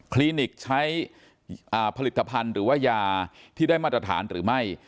คลินิกใช้ผลิตภัณฑ์หรือว่ายาที่ได้มาตรฐานหรือไม่